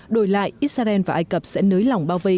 đổi lại israel và ai cập sẽ nới lỏng bao vây